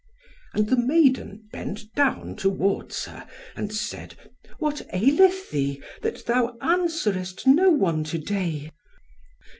And the maiden bent down towards her, and said, "What aileth thee, that thou answerest no one to day?"